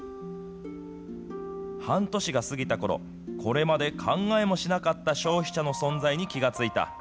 半年が過ぎたころ、これまで考えもしなかった消費者の存在に気が付いた。